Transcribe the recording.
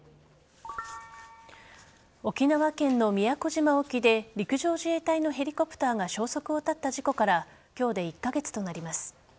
沖縄県の宮古島沖で陸上自衛隊のヘリコプターが消息を絶った事故から今日で１カ月となります。